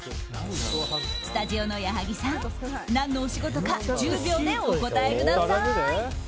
スタジオの矢作さん何のお仕事か１０秒でお答えください。